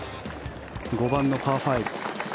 ５番のパー５。